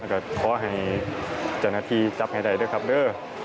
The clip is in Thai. ขอให้๗นาทีจับให้ได้ด้วยครับเด้อ